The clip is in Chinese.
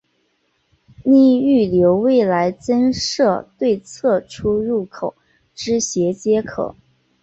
另预留未来增设对侧出入口之衔接口。